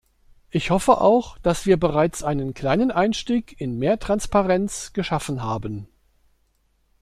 Ich hoffe auch, dass wir bereits einen kleinen Einstieg in mehr Transparenz geschaffen haben.